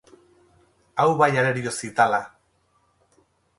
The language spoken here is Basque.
Hau bai arerio zitala